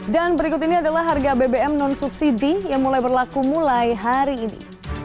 dan berikut ini adalah harga bbm non subsidi yang mulai berlaku mulai hari ini